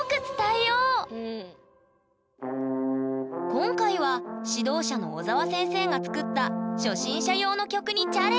今回は指導者の小澤先生が作った初心者用の曲にチャレンジ！